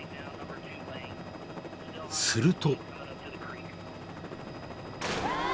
［すると］